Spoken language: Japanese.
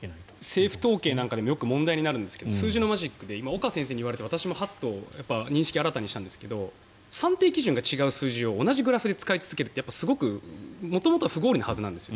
政府統計なんかでもよく問題になるんですが数字のマジックで今、岡先生に言われて私もハッと認識を新たにしたんですが算定基準が違う数字を同じグラフで使い続けるって元々、不合理なはずなんです。